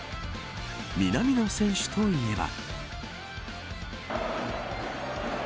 南野選手といえば。